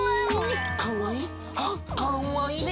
かわいい！